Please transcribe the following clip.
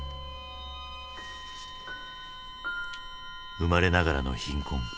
生まれながらの貧困。